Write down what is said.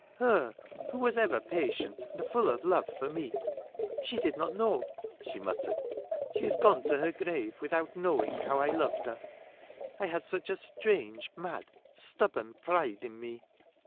" Her who was ever patient, and full of love for me. She did not know," she muttered, " she is gone to the grave without knowing, how I loved her — I had such strange, mad, stubborn pride in me."